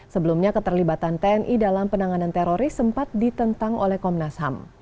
sebelumnya keterlibatan tni dalam penanganan teroris sempat ditentang oleh komnas ham